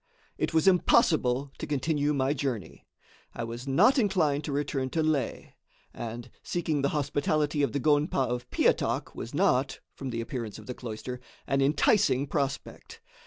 It was impossible to continue my journey, I was not inclined to return to Leh; and seeking the hospitality of the gonpa of Piatak was not, from the appearance of the cloister, an enticing prospect.